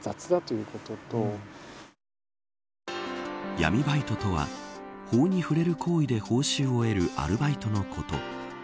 闇バイトとは法に触れる行為で報酬を得るアルバイトのこと。